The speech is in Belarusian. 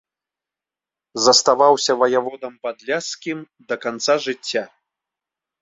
Заставаўся ваяводам падляшскім да канца жыцця.